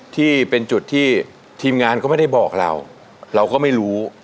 ที่เป็นจุดที่ทีมงานก็ไม่ได้บอกเราเราก็ไม่รู้